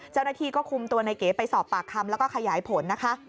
เจ้าหน้าที่ก็คุมตัวในเก๋ไปสอบปากคำแล้วก็ขยายผลนะคะ